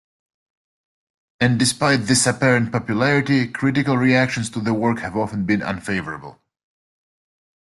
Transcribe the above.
And despite this apparent popularity, critical reactions to the work have often been unfavourable.